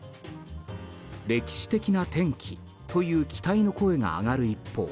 歴史的な転機という期待の声が上がる一方